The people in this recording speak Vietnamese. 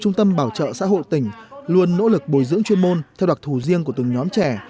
trung tâm bảo trợ xã hội tỉnh luôn nỗ lực bồi dưỡng chuyên môn theo đặc thù riêng của từng nhóm trẻ